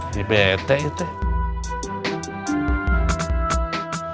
di bete itu ya